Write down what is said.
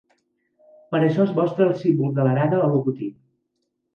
Per això es mostra el símbol de l'arada al logotip.